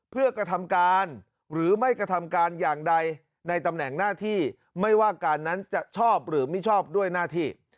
เพื่อกระทำการหรือไม่กระทำการอย่างใดในตำแหน่งหน้าที่ไม่ว่าการนั้นจะชอบหรือไม่ชอบด้วยหน้าที่